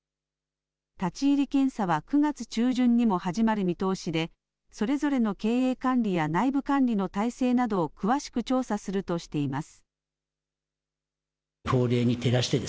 立ち入り検査は９月中旬にも始まる見通しで、それぞれの経営管理や内部管理の体制などを詳しく調査するとしています。